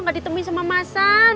rina ditemuin sama mbak masal